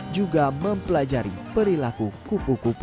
juga mempelajari perilaku kupu kupu